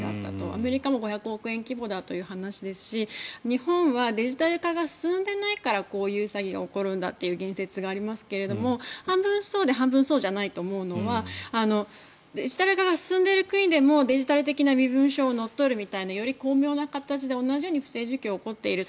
アメリカも５００億円規模だという話ですし日本はデジタル化が進んでないからこういう詐欺が起こるんだという言説がありますけれど半分そうで半分そうじゃないと思うのはデジタル化が進んでいる国でもデジタル的な身分証を乗っ取るみたいなより巧妙な形で同じように不正受給が起こっている。